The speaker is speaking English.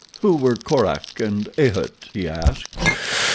"Who were Korak and A'ht?" he asked.